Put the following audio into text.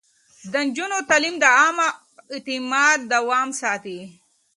د نجونو تعليم د عامه اعتماد دوام ساتي.